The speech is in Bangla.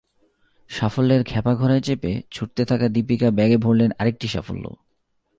সাফল্যের খ্যাপা ঘোড়ায় চেপে ছুটতে থাকা দীপিকা ব্যাগে ভরলেন আরেকটি সাফল্য।